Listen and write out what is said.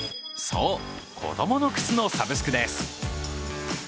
そう、子供の靴のサブスクです。